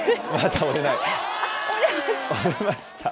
折れました。